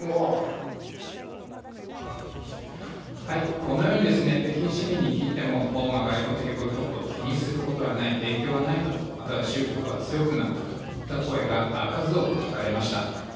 このように北京市民に聞いても外交的ボイコットを気にすることはない影響はないと、あとは中国が強くなったという声が数多く聞かれました。